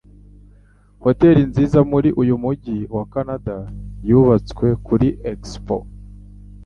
Hotel nziza muri uyu mujyi wa Kanada yubatswe kuri Expo